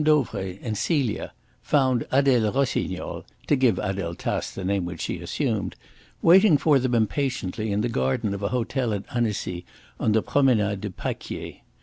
Dauvray and Celia found Adele Rossignol, to give Adele Tace the name which she assumed, waiting for them impatiently in the garden of an hotel at Annecy, on the Promenade du Paquier.